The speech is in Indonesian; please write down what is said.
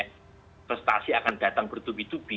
investasi akan datang bertubi tubi